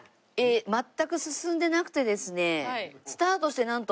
全く進んでなくてですね。